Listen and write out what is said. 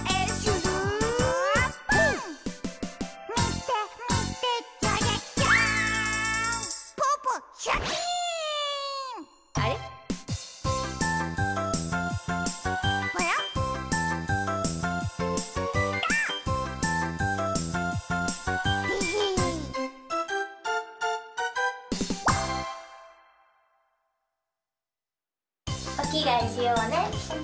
でへへおきがえしようね。